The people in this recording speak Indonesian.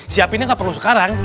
siapinnya gak perlu sekarang